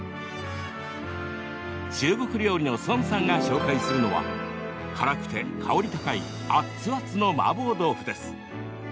中国料理の孫さんが紹介するのは辛くて、香り高い熱々のマーボー豆腐です。